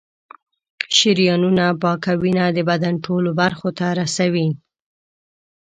شریانونه پاکه وینه د بدن ټولو برخو ته رسوي.